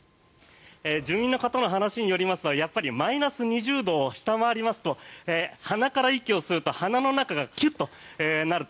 住民の方の話によりますとやっぱりマイナス２０度を下回りますと鼻から息を吸うと鼻の中がキュッとなると。